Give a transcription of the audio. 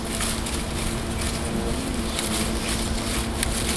Tanwanuymi suni akshu